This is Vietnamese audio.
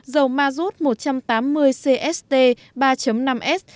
dầu ma rút một trăm tám mươi cst ba năm s